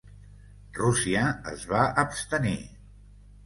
Rússia es va abstenir.